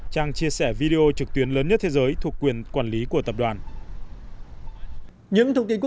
trang chia sẻ video trực tuyến lớn nhất thế giới thuộc quyền quản lý của tập đoàn